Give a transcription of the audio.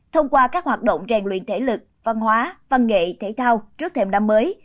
thông qua các hoạt động rèn luyện thể lực văn hóa văn nghệ thể thao trước thềm năm mới